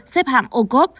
xếp hạng ô cốp